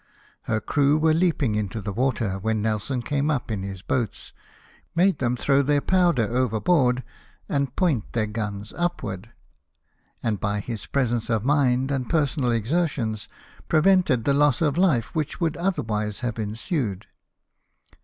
Her crew were leaping into the water, when Nelson came up in his boats, made them throw AT PORT ROYAL. 17 their powder overboard, and point their guns up ward ; and, by his presence of mind and personal exertions, prevented the loss of life which would otherwise have ensued.